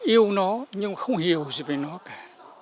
yêu nó nhưng không hiểu gì về nó cả